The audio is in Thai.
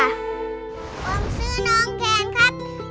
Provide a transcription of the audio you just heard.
ผมซื้อน้องแทนครับ